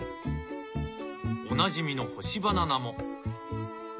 おなじみの干しバナナも。